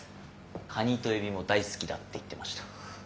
カニとエビも大好きだって言ってました。